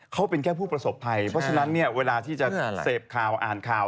เขาเป็นแค่ผู้ประสบภัยเพราะฉะนั้นเนี่ยเวลาที่จะเสพข่าวอ่านข่าว